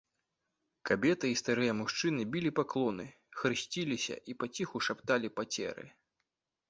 Кабеты і старыя мужчыны білі паклоны, хрысціліся і паціху шапталі пацеры.